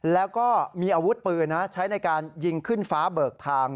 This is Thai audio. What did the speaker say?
แล้วก็มีอาวุธปืนใช้ในการยิงขึ้นฟ้าเบิกทาง